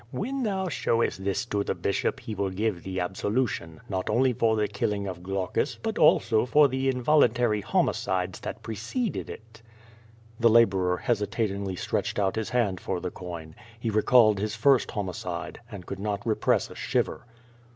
When thou showest this to the bishop, he will give thee abso lution, not only for the killing of Glaucus, but also for the involuntary homicides that preceded it." The laborer hesitatingly stretched out his hand for the coin. He recalled his first homicide, and could not repress a shiver.